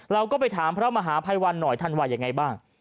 เราก็ไปถามพระมหาภัยวันหน่อยท่านว่ายังไงบ้าง